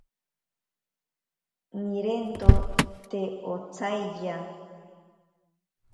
Nirento te otsaiya.